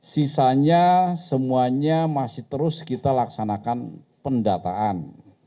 sisanya semuanya masih terus kita laksanakan pendataan